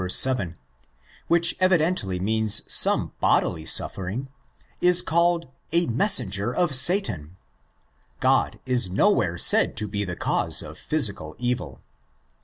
7), which evidently means some bodily suffering, is called '' a messenger of Satan" (ἄγγελος σατανᾶ) : God is nowhere said to be the cause of physical evil.